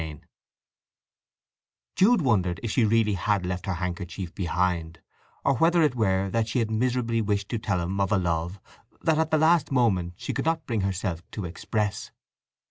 VIII Jude wondered if she had really left her handkerchief behind; or whether it were that she had miserably wished to tell him of a love that at the last moment she could not bring herself to express.